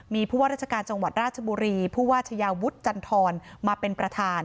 มีผู้ว่าราชการจังหวัดราชบุรีผู้ว่าชายาวุฒิจันทรมาเป็นประธาน